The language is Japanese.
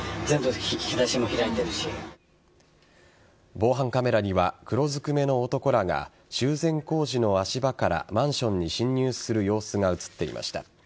防犯カメラには黒ずくめの男らが修繕工事の足場からマンションに侵入する様子が映っていました。